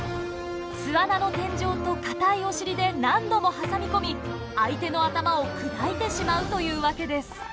巣穴の天井と硬いおしりで何度も挟み込み相手の頭を砕いてしまうというわけです。